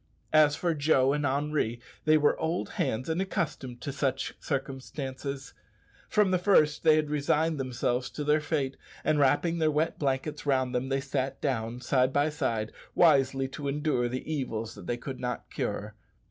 As for Joe and Henri, they were old hands and accustomed to such circumstances. From the first they had resigned themselves to their fate, and wrapping their wet blankets round them sat down, side by side, wisely to endure the evils that they could not cure.